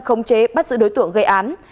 không chế bắt giữ đối tượng gây án